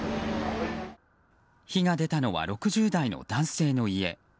火が出たのは６０代の男性の家。